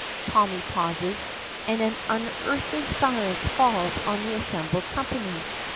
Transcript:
Tommy pauses, and an unearthly silence falls on the assembled company.